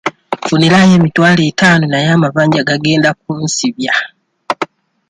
Nfuniraayo emitwalo ataano naye amabanja gagenda kunsibya.